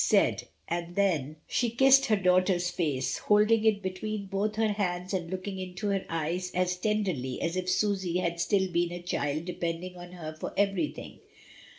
said, and then she kissed her daughter's face, hold ing it between both her hands and looking into her eyes as tenderly as if Susy had still been a child depending on her for everything.